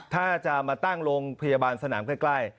ถ้าจะมาตั้งโรงพยาบาลสนามใกล้